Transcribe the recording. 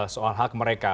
soal hak mereka